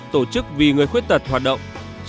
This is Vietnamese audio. tổ chức vì người khuyết tật hoạt động